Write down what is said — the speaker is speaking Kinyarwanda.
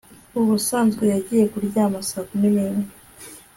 Ubusanzwe yagiye kuryama saa kumi nimwe